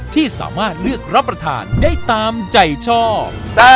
ที่สามารถเลือกรับประทานได้ตามใจชอบ